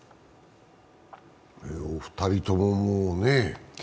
お二人とも、もうね。